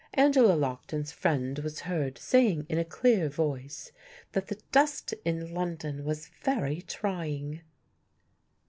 Angela Lockton's friend was heard saying in a clear voice that the dust in London was very trying.